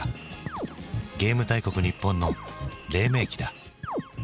ゲーム大国日本の黎明期だ。